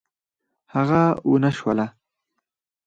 هغه ونشوله.